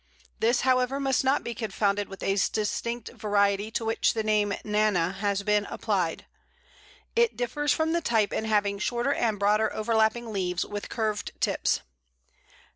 This, however, must not be confounded with a distinct variety to which the name nana has been applied; it differs from the type in having shorter and broader overlapping leaves, with curved tips.